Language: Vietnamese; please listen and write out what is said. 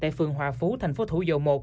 tại phường hòa phú thành phố thủ dầu một